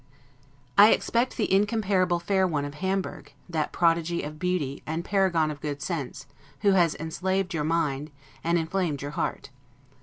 I expect the incomparable fair one of Hamburg, that prodigy of beauty, and paragon of good sense, who has enslaved your mind, and inflamed your heart.